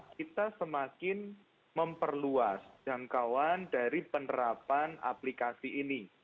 kita semakin memperluas jangkauan dari penerapan aplikasi ini